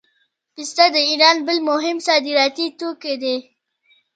پسته د ایران بل مهم صادراتي توکی دی.